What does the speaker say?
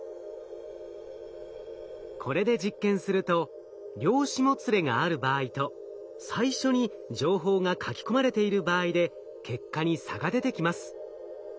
これで実験すると量子もつれがある場合と最初に情報が書き込まれている場合で結果に差が出てきます。